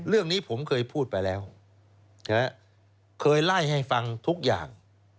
เรื่องนี้ผมเคยพูดไปแล้วเคยไล่ให้ฟังทุกอย่าง